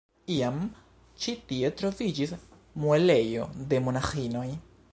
Iam ĉi tie troviĝis muelejo de monaĥinoj.